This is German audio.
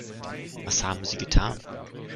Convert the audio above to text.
Was haben Sie getan?